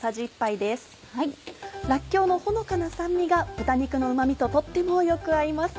らっきょうのほのかな酸味が豚肉のうま味ととってもよく合います。